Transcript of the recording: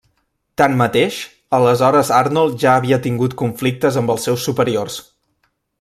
Tanmateix, aleshores Arnold ja havia tingut conflictes amb els seus superiors.